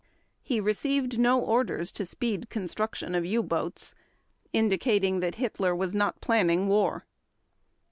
He received no orders to speed construction of U boats, indicating that Hitler was not planning war.